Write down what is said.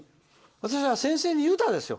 私は先生に言うたですよ。